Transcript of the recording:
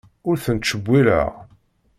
Ur ten-ttcewwileɣ.